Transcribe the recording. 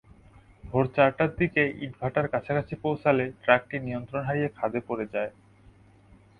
ভোর চারটার দিকে ইটভাটার কাছাকাছি পৌঁছালে ট্রাকটি নিয়ন্ত্রণ হারিয়ে খাদে পড়ে যায়।